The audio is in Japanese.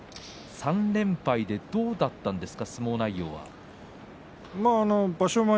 ３連敗でどうだったんですか？